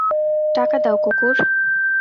টাকা দাও, কুকুর।